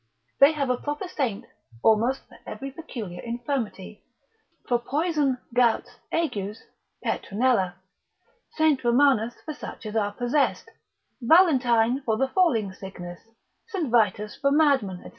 They have a proper saint almost for every peculiar infirmity: for poison, gouts, agues, Petronella: St. Romanus for such as are possessed; Valentine for the falling sickness; St. Vitus for madmen, &c.